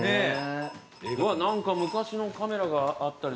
うわ昔のカメラがあったり。